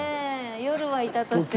夜はいたとしても。